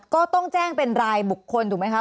ก็ต้องแจ้งเป็นรายบุคคลถูกไหมคะ